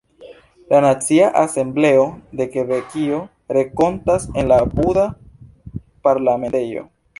La Nacia Asembleo de Kebekio renkontas en la apuda Parlamentejo.